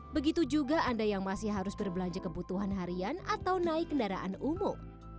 begitu juga anda yang masih harus berbelanja kebutuhan harian atau naik kendaraan umum